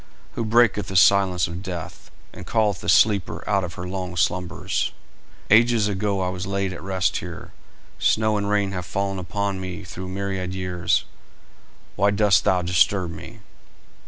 "Who breaketh the silence of death, and calleth the sleeper out of her long slumbers? Ages ago I was laid at rest here, snow and rain have fallen upon me through myriad years; why dost thou disturb me?"